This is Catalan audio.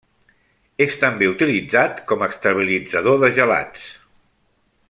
És també utilitzat com a estabilitzador de gelats.